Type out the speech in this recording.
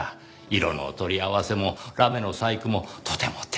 色の取り合わせもラメの細工もとても丁寧で繊細な。